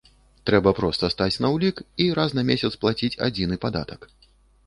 Трэба проста стаць на ўлік і раз на месяц плаціць адзіны падатак.